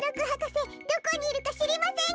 どこにいるかしりませんか？